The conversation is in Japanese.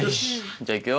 じゃあいくよ。